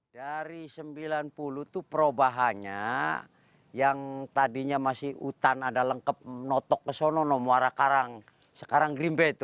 dari sembilan puluh itu perubahannya yang tadinya masih hutan ada lengkap menotok ke sana sekarang gerimbe itu